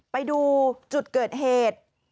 ไปดูจุดเกิดเหตุ